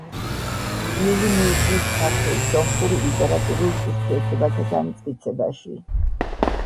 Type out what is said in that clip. წვლილი მიუძღვის ქართულ-სომხურ ლიტერატურულ ურთიერთობათა განმტკიცებაში.